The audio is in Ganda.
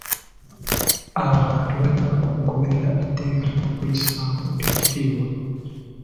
Abantu balina okugoberera etteeka n'okulissaamu ekitiibwa.